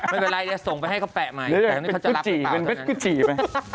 ไม่เป็นไรที่นี่ส่งให้เค้าแปะใหม่